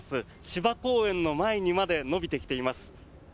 芝公園の前にまで延びてきています。